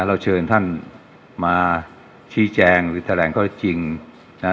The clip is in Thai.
เราเชิญท่านมาชี้แจงหรือแถลงข้อจริงนะ